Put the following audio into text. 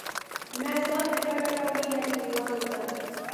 نه ځان ته ګټه راوړي، نه کلیوالو ته.